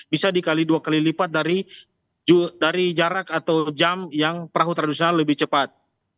bisa dikali dua kali lipat dari jarak atau jam yang perahu tradisional lebih cepat